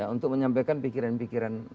untuk menyampaikan pikiran pikiran